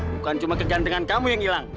bukan cuma kegantengan kamu yang hilang